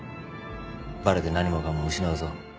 バレて何もかも失うぞ。